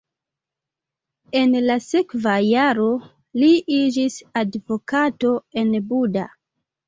En la sekva jaro li iĝis advokato en Buda.